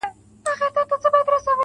زه سم پء اور کړېږم ستا په محبت شېرينې.